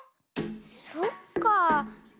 そっかあ。